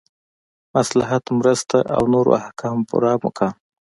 مصلحت مرسله او نورو احکامو پورته مقام